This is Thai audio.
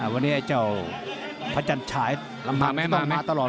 วันนี้เจ้าพระจันทรายลำถังจะต้องมาตลอด